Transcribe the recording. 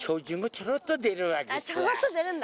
ちょろっと出るんだ。